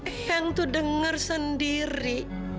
eyang tuh denger sendiri